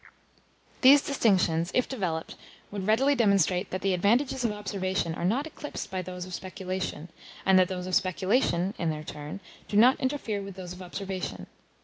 These distinctions, if developed, would readily demonstrate that the advantages of observation are not eclipsed by those of speculation; and that those of speculation, in their turn, do not interfere with those of observation.